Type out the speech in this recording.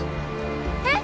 えっ？